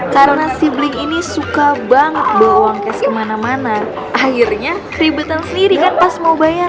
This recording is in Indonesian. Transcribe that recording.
karena si blink ini suka banget bawa uang cash kemana mana akhirnya ribetan sendiri kan pas mau bayar